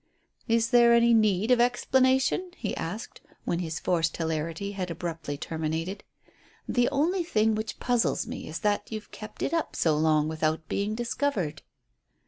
"Is there any need of explanation?" he asked, when his forced hilarity had abruptly terminated. "The only thing which puzzles me is that you've kept it up so long without being discovered."